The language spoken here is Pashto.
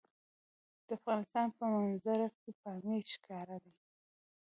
د افغانستان په منظره کې پامیر ښکاره ده.